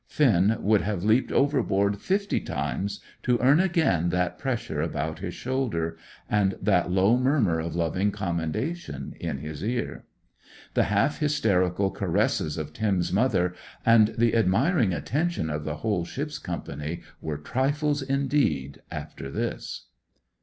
Finn would have leaped overboard fifty times to earn again that pressure about his shoulder, and that low murmur of loving commendation in his ear. The half hysterical caresses of Tim's mother, and the admiring attention of the whole ship's company were trifles indeed after this.